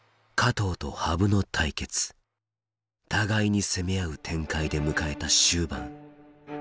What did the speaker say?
互いに攻め合う展開で迎えた終盤。